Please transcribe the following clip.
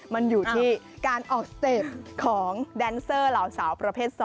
มันอยู่ที่การออกสเต็ปของแดนเซอร์เหล่าสาวประเภท๒